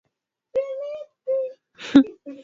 sarafu ya heller ilikuwa moja wapo ya aina ya rupia